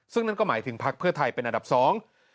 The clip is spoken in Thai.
ซึ่งนั่นก็หมายถึงพักเพื่อไทยเป็นอันดับสอง